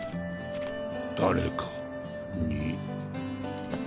誰かに。